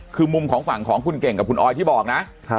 คือมุมของฝั่งของคุณเก่งกับคุณออยที่บอกนะ